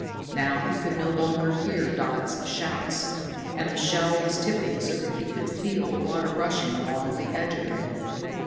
Now he could no longer hear Dodd's shouts, and the shell was tipping so that he could feel the water rushing along the edge of it.